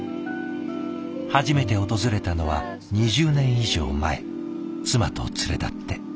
初めて訪れたのは２０年以上前妻と連れ立って。